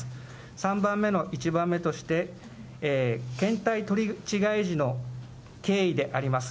３番目の１番目として、検体取り違え時の経緯であります。